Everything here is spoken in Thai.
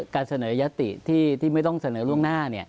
การเสนอยติที่ไม่ต้องเสนอล่วงหน้า